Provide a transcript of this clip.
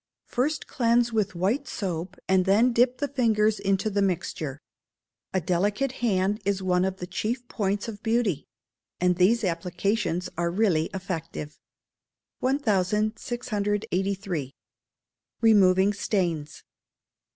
First cleanse with white soap and then dip the fingers into the mixture. A delicate hand is one of the chief points of beauty; and these applications are really effective. 1683. Removing Stains.